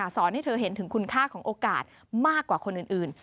สอนให้เธอเห็นถึงคุณค่าของโอกาสมากกว่าคนอื่น